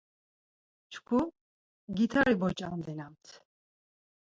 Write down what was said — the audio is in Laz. Çku gitari voç̌andinamt.